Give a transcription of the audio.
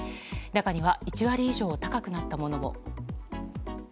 中には１割以上高くなったものも。